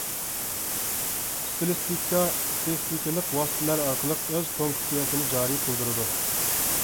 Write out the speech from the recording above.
ئىستىلىستىكا ئىستىلىستىكىلىق ۋاسىتىلەر ئارقىلىق ئۆز فۇنكسىيەسىنى جارى قىلدۇرىدۇ.